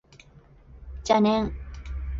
邪念